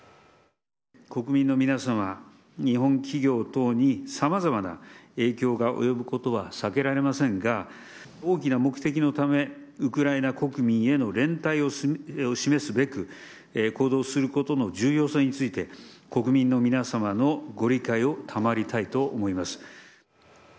国民の皆様、日本企業等にさまざまな影響が及ぶことは避けられませんが、大きな目的のため、ウクライナ国民への連帯を示すべく行動をすることの重要性について、国民の皆様のご理解を賜りたいと思います。